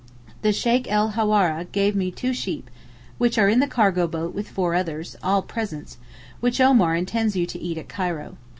The Sheykh el Hawara gave me two sheep which are in the cargo boat with four others—all presents—which Omar intends you to eat at Cairo.